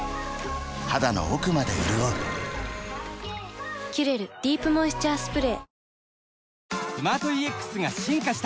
肌の奥まで潤う「キュレルディープモイスチャースプレー」